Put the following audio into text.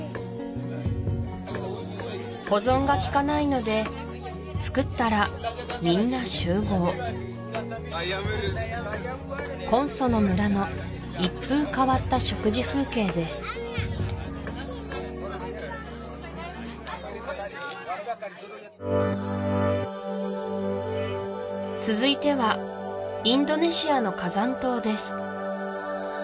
保存がきかないので作ったらみんな集合コンソの村の一風変わった食事風景です続いてはインドネシアの火山島です